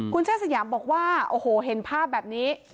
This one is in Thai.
คุณเชษสยามบอกว่าโอ้โหเห็นภาพแบบนี้